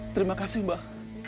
terima kasih mbak